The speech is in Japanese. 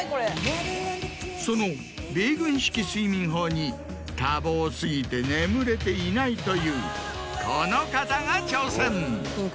その米軍式睡眠法に多忙過ぎて眠れていないというこの方が挑戦。